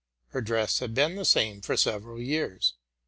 Her dress had been the same for several years.